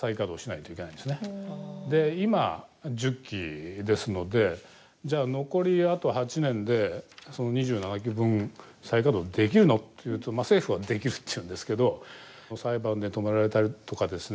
今１０基ですのでじゃあ残りあと８年でその２７基分再稼働できるのっていうとまあ政府はできるって言うんですけど裁判で止められたりとかですね